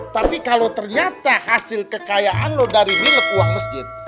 tapi kalau ternyata hasil kekayaan lo dari milik uang masjid